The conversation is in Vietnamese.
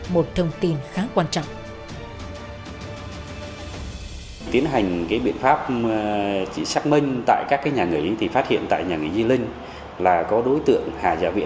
một mũi trinh sát ở di linh báo về